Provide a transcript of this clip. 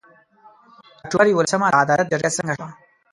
د اُکټوبر یولسمه د عدالت جرګه څنګه سوه؟